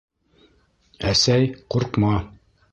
Әсәй, ҡурҡма.